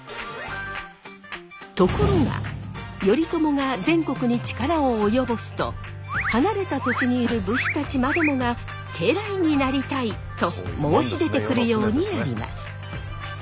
ところが頼朝が全国に力を及ぼすと離れた土地にいる武士たちまでもが家来になりたい！と申し出てくるようになります。